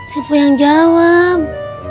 siapa yang jawab